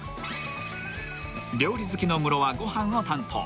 ［料理好きのムロはご飯を担当］